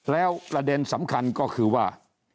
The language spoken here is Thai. แล้วประเด็นสำคัญก็คือว่า